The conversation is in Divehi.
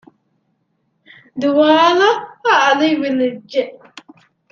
ދުވާލަށް އަލި ވިލިއްޖެ